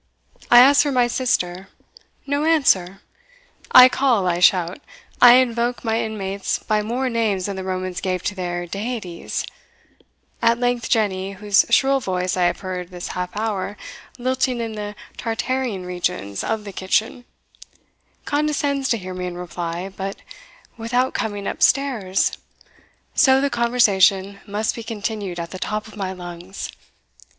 I ask for my sister no answer. I call, I shout I invoke my inmates by more names than the Romans gave to their deities at length Jenny, whose shrill voice I have heard this half hour lilting in the Tartarean regions of the kitchen, condescends to hear me and reply, but without coming up stairs, so the conversation must be continued at the top of my lungs.